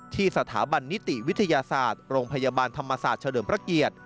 สถาบันนิติวิทยาศาสตร์โรงพยาบาลธรรมศาสตร์เฉลิมพระเกียรติ